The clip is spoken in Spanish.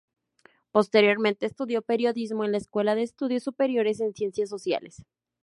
Posteriormente, estudió periodismo en la Escuela de Estudios Superiores en Ciencias Sociales.